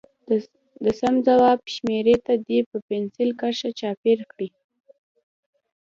د سم ځواب شمیرې ته دې په پنسل کرښه چاپېر کړي.